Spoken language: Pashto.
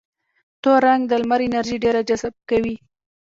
تور رنګ د لمر انرژي ډېره جذبه کوي.